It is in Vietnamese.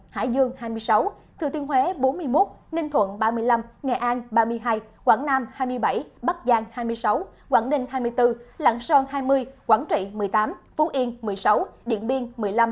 hải dương hai mươi sáu thừa thiên huế bốn mươi một ninh thuận ba mươi năm nghệ an ba mươi hai quảng nam hai mươi bảy bắc giang hai mươi sáu quảng ninh hai mươi bốn lạng sơn hai mươi quảng trị một mươi tám phú yên một mươi sáu điện biên một mươi năm